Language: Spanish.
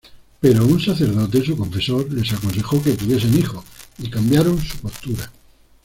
Pero un sacerdote, su confesor, les aconsejó que tuviesen hijos, y cambiaron su postura.